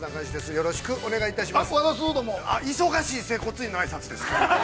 よろしくお願いします。